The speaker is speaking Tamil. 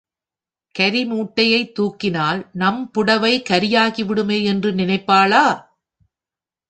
கரி மூட்டையைத் தூக்கினால் நம் புடைவை கரியாகிவிடுமே என்று நினைப்பாளா?